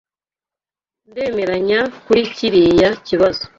Ndemeranya kuri kiriya kibazo.